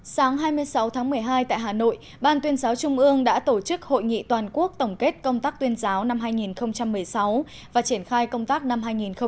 sáng hai mươi sáu tháng một mươi hai tại hà nội ban tuyên giáo trung ương đã tổ chức hội nghị toàn quốc tổng kết công tác tuyên giáo năm hai nghìn một mươi sáu và triển khai công tác năm hai nghìn một mươi chín